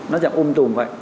nó dạng um tùm vậy